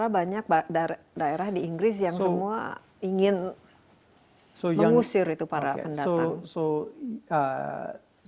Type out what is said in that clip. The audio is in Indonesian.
banyak daerah di inggris yang semua ingin mengusir itu para pendatang